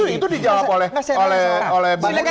itu dijawab oleh